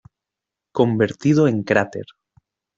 Convertido en cráter.